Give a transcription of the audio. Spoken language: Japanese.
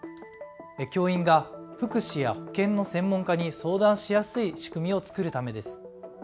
教員が福祉や保健の専門家に相談しやすい仕組みを作るためです。